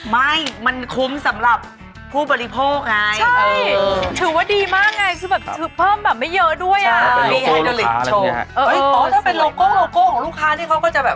ไม่มันคุ้มสำหรับผู้บริโภคไงใช่เออถือว่าดีมากไงคือแบบ